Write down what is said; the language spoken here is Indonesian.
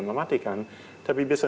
mematikan tapi bisa